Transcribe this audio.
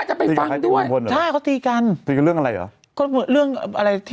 จะไปฟังด้วยใช่เขาตีกันตีกันเรื่องอะไรเหรอเรื่องอะไรที่